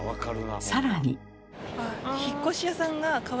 さらに。